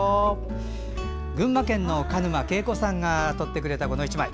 群馬県の鹿沼恵子さんが撮ってくれた１枚。